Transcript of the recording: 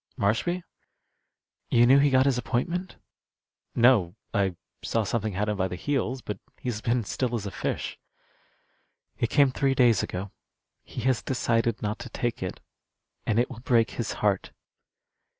"Marshby?" "You knew he got his appointment?" "No; I saw something had him by the heels, but he's been still as a fish." "It came three days ago. He has decided not to take it. And it will break his heart."